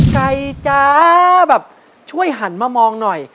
ไก่จ๊ะแบบช่วยหันมามองหน่อย